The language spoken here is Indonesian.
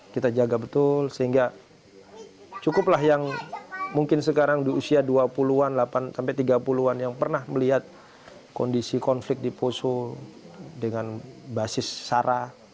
kita jaga betul sehingga cukuplah yang mungkin sekarang di usia dua puluh an sampai tiga puluh an yang pernah melihat kondisi konflik di poso dengan basis sara